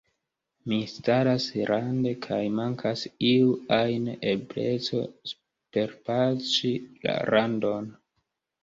Mi staras rande, kaj mankas iu ajn ebleco superpaŝi la randon.